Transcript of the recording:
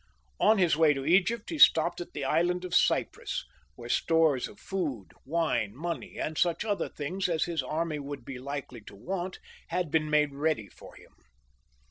On his way to Egypt he stopped at the Island of Cyprus, where stores of food, wine, money, and such other things as his army would be likely to want, had been made ready for him.